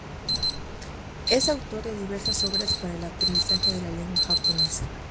Es autor de diversas obras para el aprendizaje de la lengua japonesa.